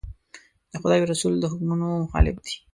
د خدای او رسول د حکمونو مخالف دي.